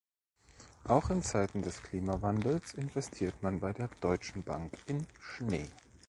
Auch in Zeiten des Klimawandels investiert man bei der Deutschen Bank in Schnee.